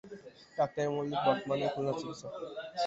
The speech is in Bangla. ডাক্তার এ মল্লিক কর্তমানে খুলনার সিভিল সার্জন।